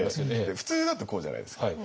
普通だとこうじゃないですか。